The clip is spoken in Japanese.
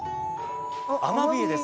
アマビエです。